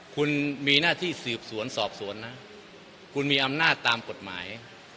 คุณมีหน้าที่สืบสวนสอบสวนนะคุณมีอำนาจตามกฎหมาย